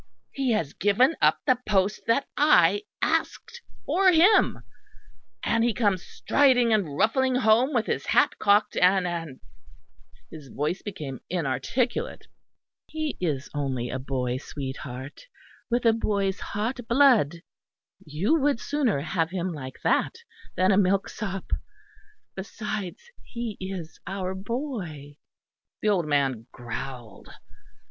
He has given up the post that I asked for him; and he comes striding and ruffling home with his hat cocked and and "; his voice became inarticulate. "He is only a boy, sweetheart; with a boy's hot blood you would sooner have him like that than a milk sop. Besides he is our boy." The old man growled.